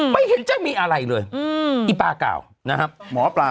ไม่เห็นจะมีอะไรเลยอีป้ากล่าวนะครับ